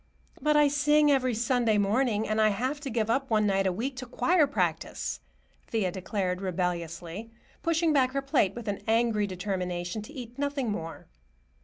"But I sing every Sunday morning, and I have to give up one night a week to choir practice," Thea declared rebelliously, pushing back her plate with an angry determination to eat nothing more.